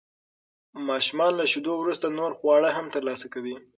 ماشومان له شیدو وروسته نور خواړه هم ترلاسه کوي.